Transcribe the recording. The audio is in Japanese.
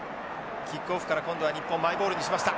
キックオフから今度は日本マイボールにしました。